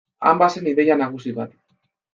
Han bazen ideia nagusi bat.